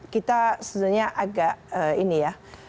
kita sebenarnya agak ini ya